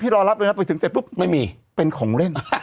พี่รอรับเลยนะพูดถึงเสร็จปุ๊บเป็นของเล่น